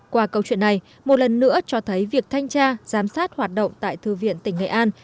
qua câu chuyện này một lần nữa cho thấy việc thanh tra giám sát hoạt động tại thư viện tỉnh nghệ an